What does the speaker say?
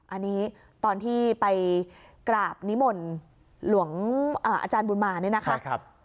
อันนี้ตอนที่ไปกราบนิมนต์หลวงอาจารย์บุญมาเนี่ยนะคะ